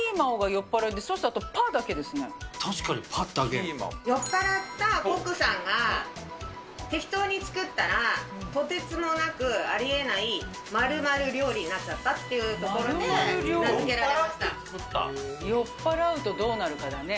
酔っぱらったコックさんが適当に作ったら、とてつもなくありえない〇○料理になっちゃったっていうところで、酔っ払うとどうなるかだね。